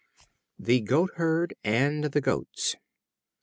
The Goatherd and the Goats.